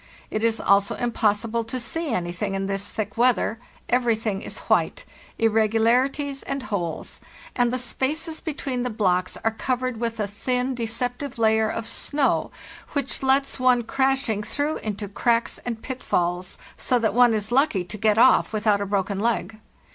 It is also impossible everything 1s to see anything in this thick weather g white—irregularities and holes; and the spaces between the blocks are covered with a thin, deceptive layer of snow, which lets one crashing through into cracks and pitfalls, so that one is lucky to get off without a broken leg.